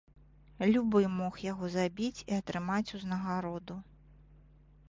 Любы мог яго забіць і атрымаць узнагароду.